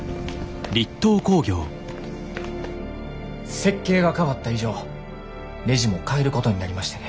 設計が変わった以上ねじも変えることになりましてね。